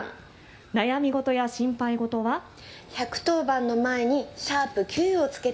悩み事や心配事は１１０番の前に＃９をつけて＃